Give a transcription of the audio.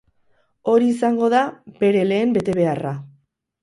Hori izango da bere lehen betebeharra.